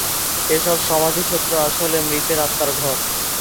এসব সমাধিক্ষেত্র আসলে মৃতের আত্মার ঘর।